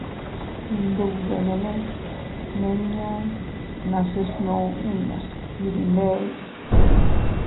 Iyndubemene miñan nase snuu inñas iydindey.